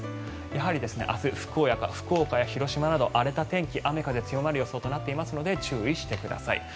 やはり明日、福岡や広島など荒れた天気雨、風強まる予想となっていますので注意してください。